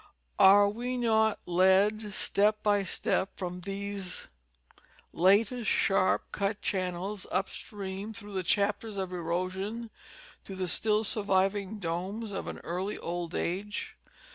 Are we not led step by step from these latest sharply cut chan nels up stream through the chapters of erosion to the still surviv ing domes of an early old age